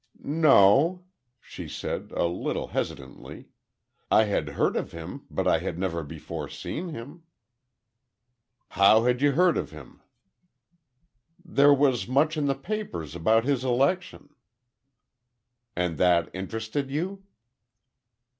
"No," she said, a little hesitantly; "I had heard of him, but I had never before seen him." "How had you heard of him?" "There was much in the papers about his election." "And that interested you?"